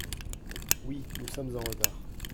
Oui, nous sommes en retard.